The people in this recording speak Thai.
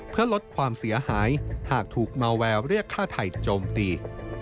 เพื่อลดความเสียหายหากถูกเมาแววเรียกฆ่าไทยโจมตี